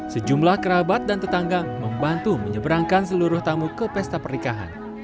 sejumlah kerabat dan tetangga membantu menyeberangkan seluruh tamu ke pesta pernikahan